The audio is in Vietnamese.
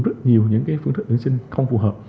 rất nhiều những phương thức tuyển sinh không phù hợp